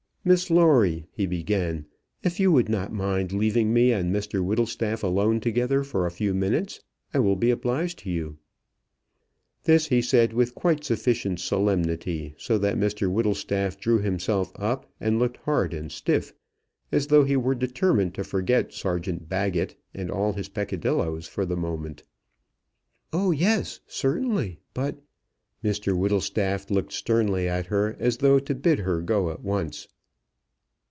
"Miss Lawrie," he began, "if you would not mind leaving me and Mr Whittlestaff alone together for a few minutes, I will be obliged to you." This he said with quite sufficient solemnity, so that Mr Whittlestaff drew himself up, and looked hard and stiff, as though he were determined to forget Sergeant Baggett and all his peccadilloes for the moment. "Oh, yes; certainly; but " Mr Whittlestaff looked sternly at her, as though to bid her go at once.